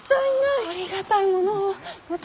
ありがたいものをうた。